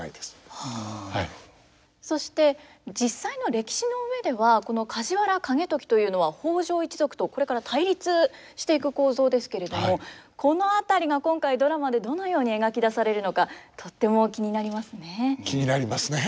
そして実際の歴史の上ではこの梶原景時というのは北条一族とこれから対立していく構造ですけれどもこの辺りが今回ドラマでどのように描き出されるのかとっても気になりますね。